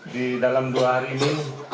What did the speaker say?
di dalam dua hari ini